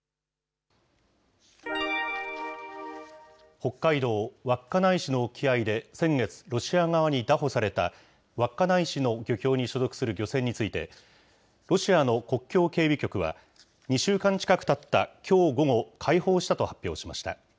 北海道稚内市の沖合で、先月、ロシア側に拿捕された稚内市の漁協に所属する漁船について、ロシアの国境警備局は、２週間近くたったきょう午後、解放したと発表しました。